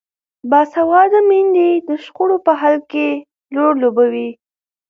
باسواده میندې د شخړو په حل کې رول لوبوي.